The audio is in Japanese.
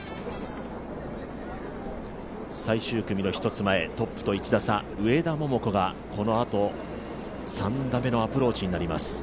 最終組の１つ前、トップと１打差、上田桃子がこのあと３打目のアプローチになります。